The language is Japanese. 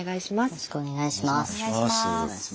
よろしくお願いします。